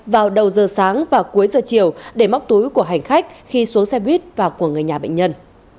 vào đầu giờ sáng và cuối giờ chiều để móc túi của hành khách khi xuống xe buýt và của người nhà bệnh nhân